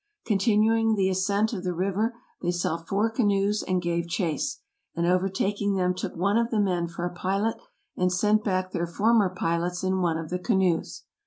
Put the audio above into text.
Continuing the ascent of the river they saw four canoes and gave chase, and overtaking them took one of the men for a pilot and sent back their former pilots in one of the canoes.